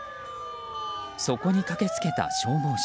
そこに駆け付けた消防車。